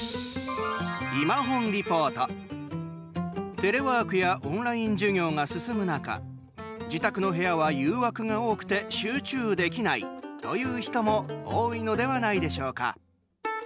テレワークやオンライン授業が進む中自宅の部屋は誘惑が多くて集中できない！という人も多いのではないでしょうか？